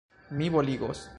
Mi boligos!